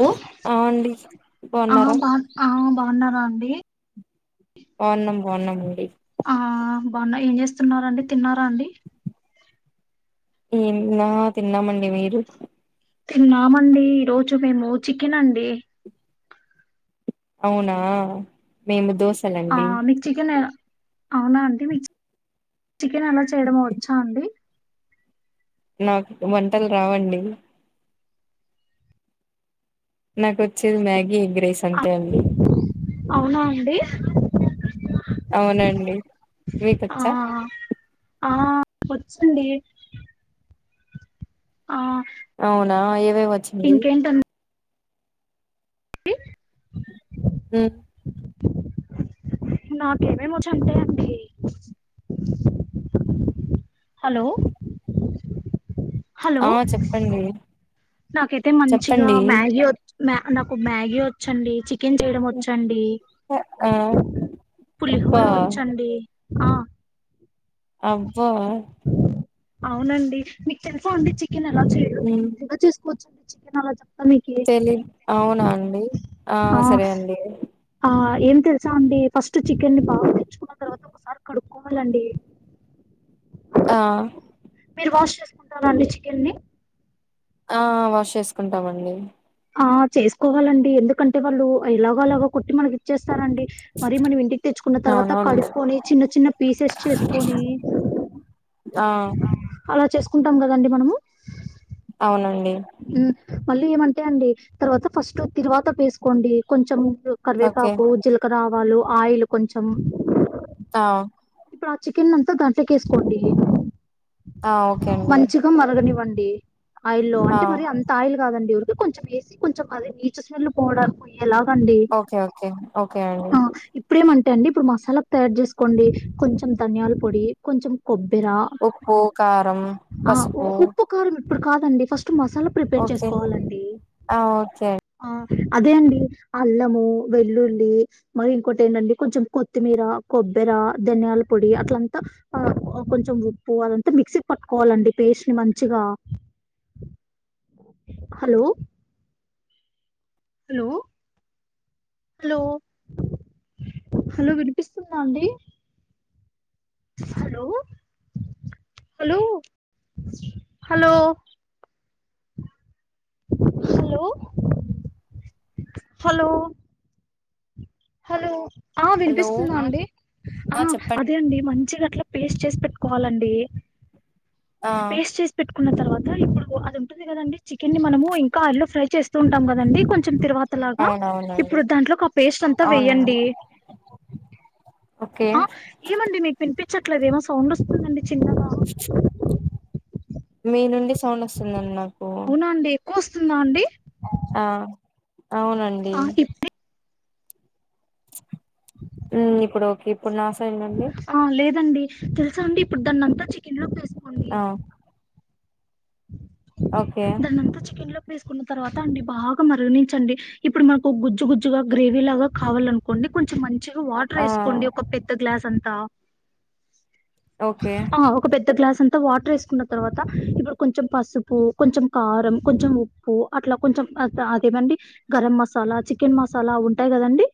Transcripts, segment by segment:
లో ఆ అండి అహా బాగున్నారా బా ఆ బావున్నారా అండి బావున్నాం బావున్నాం అండి ఆ బావున్నా ఏం జేస్తున్నారా అండి తిన్నారా అండి ఏం నా తిన్నామండి మీరు తిన్నామండి ఈ రోజు మేము చికెనండి అవునా మేము దోస్ ఆ మీకు చికెన్ ఎ అవునా అండి మీకు చికెన్ ఎలా చేయడమో వచ్చా అండి నాక్ వంటలు రావండి నాకు వచ్చేది మ్యాగీ ఎగ్ రైస్ ఆ, అంతే అండి అవునా అండి అవునండి ఆ మీకొచ్చా ఆ వచ్చండి ఆ అవునా ఏవేవి వచ్చు మీవి పి నాకేమేమ్ వచ్చంటే అండి హలో హలో ఆ చెప్పండి నాకైతే మంచిగా చెప్పండి మ్యాగీ వచ్ మ్యా నాకు మ్యాగీ వచ్చండి చి కెన్ చేయడం వచ్చండి ఆ పులిహోర అబ్బా వచ్చండి ఆ అబ్బా అవునండి మీకు తెలుసా అండి చికెన్ ఎలా చేయ ఊమ్ [unintelligible] చికెన్ ఎలా [inaudible] తెలీద్ అవునా అండి ఆ సరే అండి ఆ ఏం తెలుసా అండి ఫస్ట్ చికెన్ని బాగా తెచ్చుకున్న తర్వాత ఒకసారి కడుక్కోవాలండి ఆ మీరు వాష్ చేసుకుంటార అండి చికెన్ ని ఆ ఆ వాష్ చేసుకుంటామండి ఆ చేసుకోవాలండి ఎందుకంటే వాళ్ళు ఎలాగో అలాగా కొట్టి మనకి ఇచ్చేస్తారండి మరి మనం ఇంటికి తెచ్చుకున్న తర్వాత అవునవును కడుక్కోని చిన్న చిన్న పీసెస్ చేసుకొని ఆ అలా చేసుకుంటాం కదండి మనము అవునండి ఉమ్ మళ్ళీ ఏమంటే అండి తర్వాత ఫస్ట్ తిరువాత వేసుకోండి కొంచెం ఓకే కరివేపాకు జీలకరావాలు ఆయిల్ కొంచెం ఆ ఇప్పుడు ఆ చికెన్నంతా దాంట్లోకి ఏస్కోండి ఆ ఓకే అండి మంచిగ్ గ మరగనివ్వండి ఆయిల్లో ఆ అంటే మరి అంత తాయిలు కాదండి ఊరికే కొంచెం ఏసి కొంచెం అదే నీచు స్మేల్లు పోవడానికి పొయ్యేలాగండి ఓకే ఓకే ఓకే అండి ఆ ఇప్పుడేమంటే అండి ఇప్పుడు మసాలాకు తయారు చేసుకోండి కొంచెం ధనియాల పొడి కొంచెం కొబ్బెర ఉప్పు కారం ఆ పసుపు ఉ- ఉప్పు కారం ఇప్పుడు కాదండి ఫస్ట్ మసాలా ప్రిపేర్ ఓకే చేసుకోవాలండి ఆ ఓకే ఆ అదే అండి అల్లము వెల్లుల్లి మరి ఇంకోటి ఏంటంటె కొంచెం కొత్తిమీర కొబ్బర ధనియాల పొడి అట్లంతా ఆ కొంచెం ఉప్పు అదంతా మిక్సీ పట్టుకోవాలండి పేస్ట్ ని మంచిగా హలో హలో హలో హలో వినిపిస్తుందా అండి hello hello hello hello hello hello ఆ హలో వినిపిస్తున్నా అండి ఆ అదే అండి మంచి గట్లా పేస్ట్ చేసి పెట్టుకోవాలండి ఆ పేస్ట్ చేస్ పెట్టుకున్న తర్వాత ఇప్పుడు అది ఉంటుంది కదండి చికెన్ ని మనము ఇంకా ఆయిల్ ఫ్రై చేస్తూ ఉంటాం కదండి కొంచెం తిర్వ తలాగా అవునవునండి ఇప్పుడు దాంట్లోకి ఆ పేస్ట్ అంతా అవునండి వేయండి ఓకే ఆ ఏమండి మీకు వినిపించట్లేదు ఏమో సౌండ్ వస్తుందండి చిన్నగా మీ నుండి సౌండ్ వస్తుందండి నాకు అవునా అండి వస్తుందా అండి ఆ అవునండి ఆ ఇప్పుడే మ్మ్ ఇప్పుడు ఓకే ఇప్పుడు నా సౌండ్ అండి ఆ లేదండి తెలుసా అండి ఇప్పుడు దాన్ని అంతా చికెన్ లో వేసుకోండి ఆ ఓకే దాన్నంతా చికెన్ లోకి వేసుకున్న తర్వాత అండి బాగా మరగణించండి ఇప్పుడు మనకు గుజ్జు గుజ్జుగా గ్రేవీ లాగా కావాలనుకోండి కొంచెం మంచిగా వా టర్ ఆ ఏసుకోండి ఒక పెద్ద గ్లాస్ అంత ఓకే ఆ [inaudible] ఒక పెద్ద గ్లాస్ అంతా వాటర్ వేసుకున్న తర్వాత ఇప్పుడు కొంచెం పసు ప్పు కొంచెం కారం కొంచెం ఉప్పు అట్లా కొంచెం అట్ల అదేమండి గరం మసాలా చికెన్ మసాలా ఉంటాయి కదండి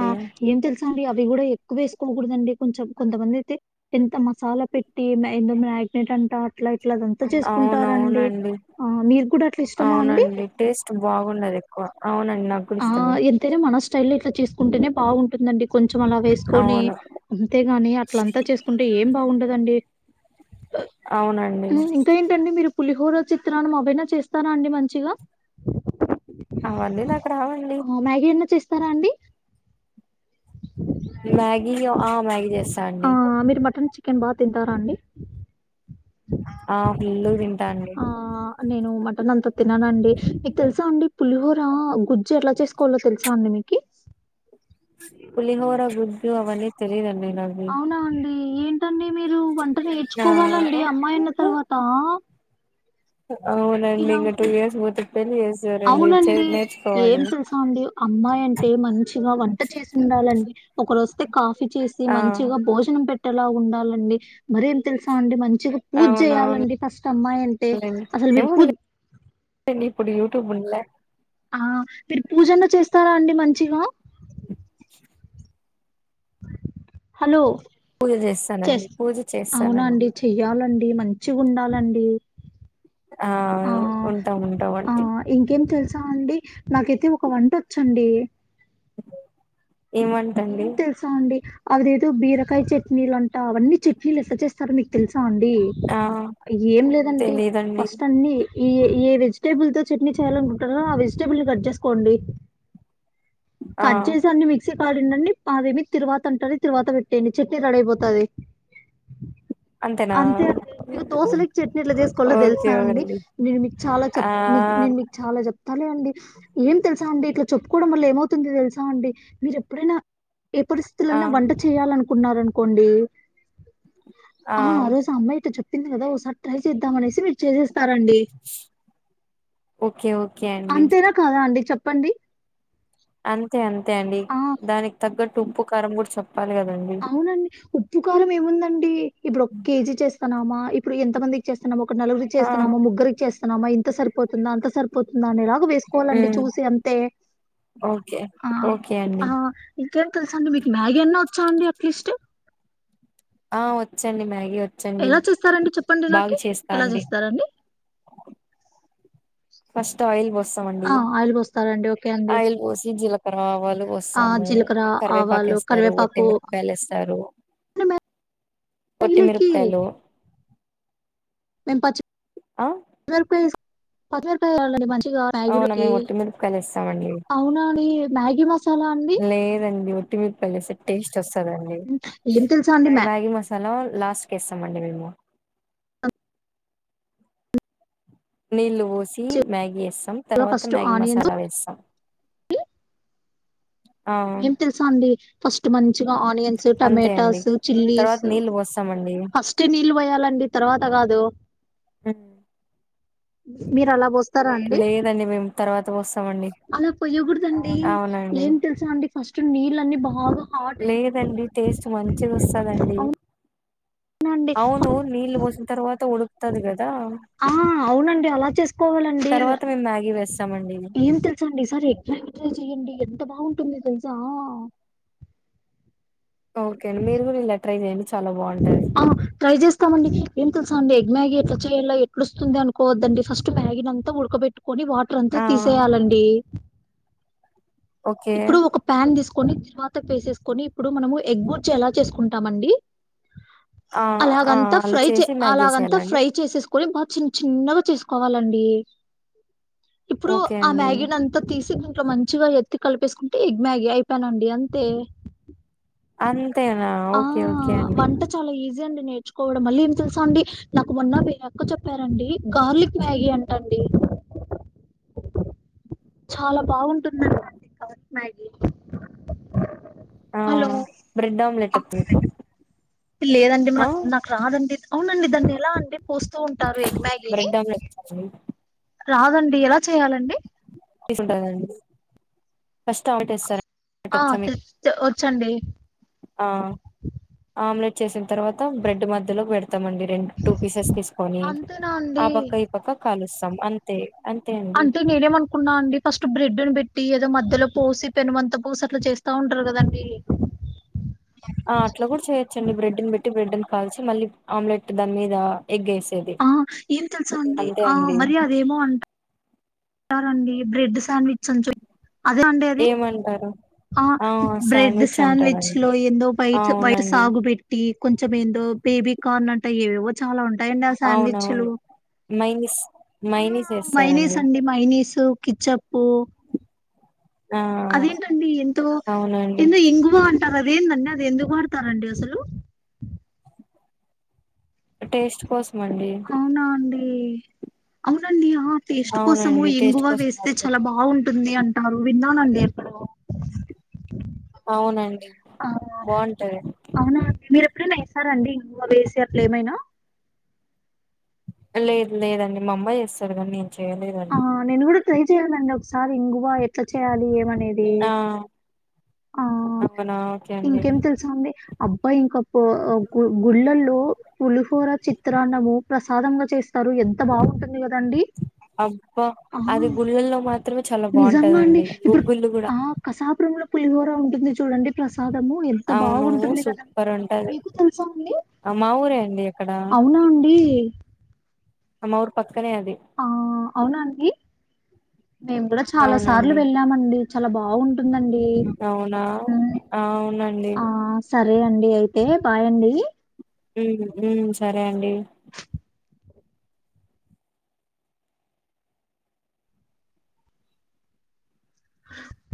ఆ ఏం తెలుసా అండి అవి కూడా ఎక్కువ వేసుకోకూడదండి కొంచెం కొంతమంది అయితే ఎంత మసాలా పెట్టి [inaudible] మ్యాగ్నెట్ అంట అట్ల ఇట్ల త చేసుకుంటారండి అవునవునండి ఆ మీరు కూడా అట్ల ఇష్టమా అండి అవునండి టేస్ట్ బాగుండదు ఎక్కువ అవునండి నాకు కూడా ఆ ఇష్టమే ఎంతైనా మన స్టైల్లో ఇట్ల చేసుకుంటేనే బాగుంటుందండి కొంచెం అలా వేస్ కొని అవును అంతేగాని అట్ల అంతా చేసుకుంటే ఏం బాగుంటదండి అవునండి టండి మీరు పులిహోర చిత్రాన్నం అవి అయిన చేస్తారా అండి మంచిగా అవన్నీ నాకు రావండి మ్మ్ మ్యాగీ అన్నా చేస్తారా అండి మ్యాగీ ఆ మ్యాగీ చేస్తా అండి ఆ మీరు మటన్ చి కెన్ బాగా తింటార అండి ఆ దిండుగ తింటాండి ఆ! నేను మటన్ అంత తిననండి. మీక్ తెలుసా అండి పులిహోర గుజ్జు ఎట్ల చేసుకోవాలో తెలుసా అండి మీకీ? పులిహోర గుజ్జు అవన్నీ తెలిదండి నా అవునా అండి, ఏంటండి మీరు వంట ఆ నేర్చుకోవాలండి అమ్మాయన్న తర్వాత. అవునండి ఇలా ఇంక టూ ఉంటే ఇయర్స్ పోతే పెళ్ళి చేసారండి చే అవునండి. ఏం నేర్చుకోవాలి. తెలుసా అండి అమ్మాయి అంటే మంచిగా వంట చేసి ఉండాలండి ఒకరు వస్తే కాఫీ చేస్ చి ఆ మంచిగ భోజనం పెట్టేలా ఉండాలండి, మరేం తెలుసా అండి మంచిగ పూజ్ అవునవునుండి చేయాలండి ఫస్ట్ అమ్మాయి అంటే అసల్ వీల్ పూజ్ డి ఇప్పుడు యూట్యూబ్ ఉన్ల ఆ మీరు పూజన్న చేస్తారా అండి మంచిగా? చె హలో పూజ చేస్తానండి చేస్ పూజ అవునా అండి చేస్తానండి. చెయ్యాలండి మంచిగ ఉండాలండి. ఆ ఉంటా ఉంటాం ఆ అండి ఇంకేం తెలుసా అండి నాకైతే ఒక వంట వచ్చండి. ఏం వంటండి? సా అండి అవిదేదో బీరకాయ చట్నీలు అంటా అవన్నీ చట్నీలు ఎట్ల చేస్తారో మీక్ తెలుసా అండి? ఆ ఏం లేదంటి తెలీదండి ఫస్ట్ అన్ని ఈ ఏ ఏ వెజిటేబుల్ తో చట్నీ చేయాలనుకుంటరో ఆ వెజిటేబుల్నీ కట్ చేసుకోండి. ఆ కట్ జేసీ అన్ని మిక్ పాడిడండి అదేమి తిరువాత అంటరు, తిరువాత పెట్టేయండి చెట్నీ రెడయిపోతది. అంతేనా అంతే అండి. మీరు దోశలేకి చట్నీ ఎట్ల చేసుకోలో తెలుసా అండి? నేను మీక్ చాల ఆ చెప్ నీక్ నేను మీకు చాల చెప్ సర్లే అండి. ఏం తెలుసాండి ఇట్లా చెప్పుకోడం వల్ల ఏమవుతుందో తెలుసా అండి మీరెప్ ఎప్పుడైనా ఏ ఆ పరిస్థితులన్నా వంట చేయాలనుకున్నారనుకోండి ఆ ఆ రోజు ఆ అమ్మాయి తో చెప్పింది కదా, ఓసారి ట్రై చేద్దామనేసి మీరు చేసేస్ స్తారండి ఓకే ఓకే అండి అంతేనా కాద అండి చెప్పండి అంతే అంతే అండి ఆ దానికి తగ్గట్టు ఉప్పు కారం కూడ చెప్పాలి కదండి. అవునండి. ఉప్పు కారం ఏముందండి? ఇప్పుడు ఒక కేజీ చేస్తానామా ఇప్పుడు ఎంతమంది చేస్తున్నమ ఒక నలుగురి ఆ చేస్తున్నామా, ముగ్గురికి చేస్తున్నామా, ఇంత సరిపోతుందా, అంత సరిపోతుందా, అనేలాగా వేస్ కోలండి ఉమ్ చూసి అంతే ఓకే ఆ ఓకే ఆ అండి ఇంకేం తెలుసా అండి, మీకి మ్యాగీ అన్నా వచ్చా అండి అట్లీస్ట్? ఆ వచ్చండి. మ్యాగీ వచ్చండి. ఎలా చేస్తారండి చెప్పండి బాగ నాకి? చేస్తా ఎలా అండి. చేస్తారండి? ఫస్ట్ ఆయిల్ పోస్తామండి, ఆ! ఆయిల్ పోస్తారండి. ఓకే అండి. ఆయిల్ పోసి జీలకరవాలుు ఓస్ ఆ! స్తాము జీలకర్ర, ఆవాలు, కరివేపాకేస్తారు కరివేపాకు ఒట్టిమిరపాయకాలు ఎస్తారు. ఒట్టి మ్యాగీలోకి మిరుపకాయలు మేం పచ్ మిరపకాయ్ ఎస్ పచ్చిమిరకాయ వెయ్యాలండి మంచిగా అవునా మ్యాగీలోకి. మేం ఒట్టిమిరుపకాయలు ఎస్తామండి. అవునా అండి మ్యాగీ మసాలా అన్ లేదండి ఒట్టిమిరపకాయలు ఏస్తే టేస్ట్ వస్తదండి. ఏం తెలుసా అండి మ్యా మ్యాగి మస్ సలో లాస్ట్కి ఏస్తామండి మేము నీళ్లు పోసి, మ్యాగీ ఏస్తం, గా తర్వాత ఫస్ట్ మ్యాగీ ఆనియన్స్ మసాలా వేస్తాం. ఆ మేం తెలుసా అండి ఫస్ట్ మంచిగా ఆనియన్స్ అంతే అండి టమాటాస్ చిల్లీస్ తర్వాత నీళ్ళు పోస్తామండి ఫస్ తే నీళ్ళు పోయాలండి తర్వాత కాదు హన్ మీరు అలా బోస్త లేదండి మేము తర్వాత పోస్తామండి అలాపోయాకుదండి ఏ అవునండి తెలుసా అండి ఫస్ట్ నీళ్ళు అన్నీ బాగా హాట్ అయి లేదండి టేస్ట్ మంచిది వస్తుందండి అవునండి అవును నీళ్ళ పోసి తర్వాత ఉడుకుతది గదా ఆ అవునండి అలా చేసుకోవాలండి తర్వాత మేము మ్యాగీ వేస్తామండి ఏం తెలు సండే సరే ఎక్కడ ట్రై చెయ్యండి ఎంత బాగుంటుంది తెలుసా ఓకే అండి మీరు కూడా ఇలా ట్రై చేయండి చాలా బాగుంటది అ ట్రై చేస్త ఇస్తామండి ఏం తెలుసా అండి ఎగ్ మ్యాగీ ఎట్లా చేయాలా ఎట్లా వస్తుంది అనుకోవద్దండి ఫస్ట్ మ్యాగిని అంతా ఉడకబెట్టి ట్టుకొని వాటర్ అంతా ఆ తీసేయాలండి ఓకే ఇప్పుడు ఒక ప్యాన్ తీసుకొని తరువాత పేసేసుకొని ఇప్పుడు మనము ఎగ్ గుర్చి ఎలా చేసుకుంటామండి ఆ ఆ అలాగంతా అలా ఫ్రై చే చేసి మ్యాగీ అలాగంతా వేసేయాలండి ఫ్రై చేసే కోని బాగా చిన్న చిన్నగా చేసుకోవాలండి ఇప్పుడు ఓకే ఆ అండి మ్యాగీని అంత అత్త తీసి దీంట్లో మంచిగా ఎత్తి కలిపేసుకుంటే ఎగ్ మ్యాగీ అయిపోయేనండి అంతే అంతేనా ఓకే ఓకే అండి అంటే చాలా ఈజీ అండి నేర్చుకోవడం మళ్ళీ ఏం తెలుసా అండి నాకు మొన్న మీ అక్క చెప్పారండి గార్లిక్ మ్యాగీ అంటండి చాలా బాగుంటుందండి మ్యాగీ ఆ హలో బ్రెడ్ ఆమ్లేట్ వచ్చు మీకు లేదండి మన ఆ నాకు రాదండి అవునండి దాన్ని ఎలా అండి పోస్తూ ఉంటారు ఎగ్ మ్యాగీని చేయి రాదండి ఎలా చెయాలండి తీసి ఉంటాం కదండి ఫస్ట్ అటేస్తారు ఆ వచ్చండి ఆ ఆమ్లెట్ చేసిన తర్వాత బ్రెడ్ మధ్యలోకి పెడ తా మండి రెండు టూ పీసెస్ తీసుకొని అంతేనా ఆ అండి పక్క ఈ పక్క కాలుస్తాం అంతే అంతే అండి అంటే నేను ఎమను కున్నా అండి ఫస్ట్ బ్రెడ్ని పెట్టి ఏదో మధ్యలో పోసి పెనుమంత పోసి అట్లా చేస్తా ఉంటారు కదండి ఆ అట్లా కూడా చేయొచ్చండి బ్రెడ్ని పెట్టి బ్రెడ్ని కాల్సి మళ్ళీ ఆమ్లెట్ దాని మీద ఎగ్ ఎసేది ఆ ఏం తెలుసా అండి ఆ మరి అదేమో అంట తింటారండి బ్రెడ్ శాండ్విచ్ అని చెప్పి ఏమంటారు ఆ బ్రెడ్ శాండ్విచ్ సాండ్విచ్ అంటారండి లో ఎందో వైట వైట్ అవునండి సాగు పె టి కొంచెం ఏందో బేబీ కార్న్ అంట టాయి ఎవేవో చాలా ఉంటాయి అండి ఆ సాండ్విచ్లు అవునవును మైనిస్ ఆ మైనిస్ మైనీసు వేస్తారండి ఈ మైనీసు కిచ్చప్పు ఆ అదేంటండి ఎంతో అవునండి ఎందో ఇంగువ అంటారు అదేందండి అది ఎందుకు వాడతారండి అసలు టేస్ట్ కోసం అండి అవునా అండి అవునండి ఆ టేస్ట్ కోసము అవునండి టేస్ట్ ఇంగువ కోసం వేస్తే వాడతారు చాలా బాగుంటుంది అంటారు విన్నాను అండి ఎక్కడో అవునండి ఆ బాగుంటాది అవునా అండి మీరు ఎప్పుడైనా వేసారండి ఇవా వేసే అట్లు ఏమైనా లేదు లేదండి మమ్మయ్య చేస్తాది కానీ నేను ఆ చెయలేదండి నేను కూడా ట్రై చేయాలండి ఒకసారి ఇంగువా ఎట్లా చేయాలి ఏమనేది ఆ ఆ అవునా ఓకే అండి ఇంకేం అబ్బాయి ఇంకా పో గు గుళ్ళల్లో పులిహోర చిత్రాన్నము ప్రసాదమంగా చేస్తారు ఎంత బాగుంటుంది కదండి అబ్బా ఆ అది గుళ్ళల్లో మాత్రమే చాలా నిజంగా అండి. బాగుంటదండి ఇప్పుడు గుగ్గుళ్లు కూడా ఆ కసాపురంలో పులిహోర ఉంటుంది చూడండి ప్రసాదము ఎన్ ఎంత అవును బాగుంటుంది కదా సూపర్ ఉంటది మీకు తెలుసా అండి ఆ! మా ఊరే అండి ఇక్కడ అవునా అండి అ మావూరు పక్కనే అది ఆ అవునా అండి మేము కూడా చాలా సార్లు అవునండి వెళ్ళామండి చాలా బాగుంటుందండి అవునా హ్మ్. అవునండి ఆ! సరే అండి అయితే బాయండి మ్మ్ మ్మ్ సరే అండి